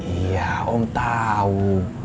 iya om tahu